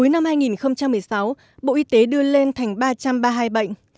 năm hai nghìn một mươi sáu bộ y tế đưa lên thành ba trăm ba mươi hai bệnh